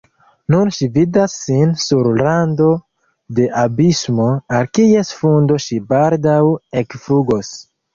Nun ŝi vidas sin sur rando de abismo, al kies fundo ŝi baldaŭ ekflugos.